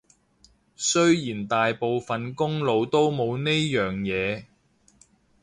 雖然大部分公路都冇呢樣嘢